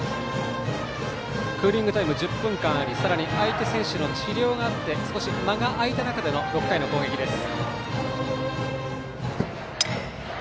クーリングタイム１０分間ありさらに相手選手の治療があって少し間が空いた中での６回の攻撃です。